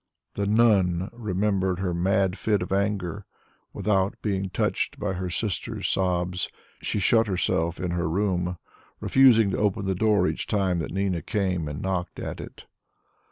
The "nun" remembered her mad fit of anger; without being touched by her sister's sobs, she shut herself in her room, refusing to open the door each time that Nina came and knocked at it.